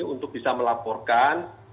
untuk bisa melaporkan